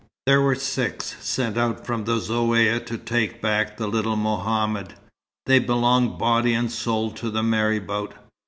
There were six, sent out from the Zaouïa to take back the little Mohammed. They belonged body and soul to the marabout.